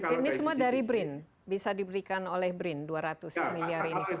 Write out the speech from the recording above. ini semua dari brin bisa diberikan oleh brin dua ratus miliar ini